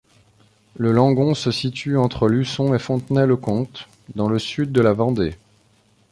Le Langon se situe entre Luçon et Fontenay-le-Comte, dans le sud de la Vendée.